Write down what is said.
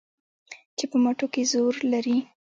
چې په مټو کې زور لري